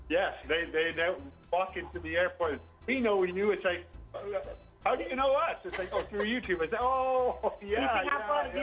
ya mereka jalan ke luar negeri